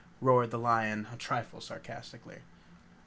roared the lion, a trifle sarcastically.